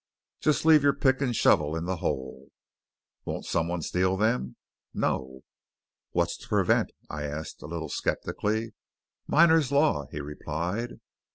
"Just leave your pick and shovel in the hole." "Won't some one steal them?" "No." "What's to prevent?" I asked a little skeptically. "Miners' law," he replied.